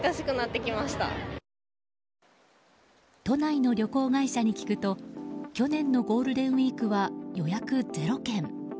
都内の旅行会社に聞くと去年のゴールデンウィークは予約０件。